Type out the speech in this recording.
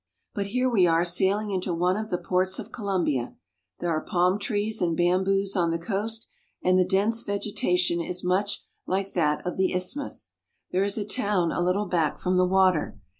But here we are sailing into one of the ports of Colom bia. There are palm trees and bamboos on the coast, and the dense vegetation is much like that of the isthmus. There is a town a little back from the water.